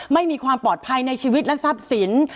ไม่มีความปลอดภัยในชีวิตและทรัพย์สิน